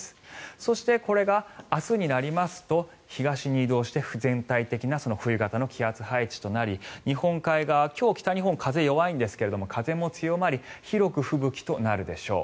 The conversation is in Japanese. そして、これが明日になりますと東に移動して全体的な冬型の気圧配置となり日本海側、今日北日本、風弱いんですが風も強まり広く吹雪となるでしょう。